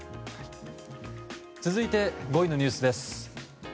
続いて５位のニュースです。